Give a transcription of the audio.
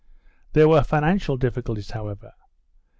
3 There were financial diffi culties, however.